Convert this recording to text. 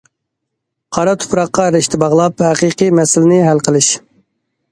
قارا تۇپراققا رىشتە باغلاپ، ھەقىقىي مەسىلىنى ھەل قىلىش.